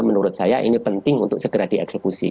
menurut saya ini penting untuk segera dieksekusi